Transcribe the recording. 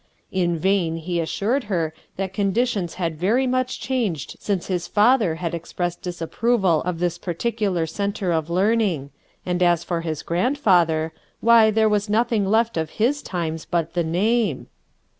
In vain he assured her that conditions had very much changed since his father had expressed disapproval of this particular centre of learning, and as for his grandfather, why there was nothing left of his times but the name.